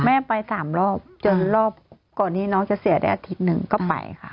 แม่ไปสามรอบจนรอบก่อนที่น้องจะเสียได้อาทิตย์หนึ่งก็ไปค่ะ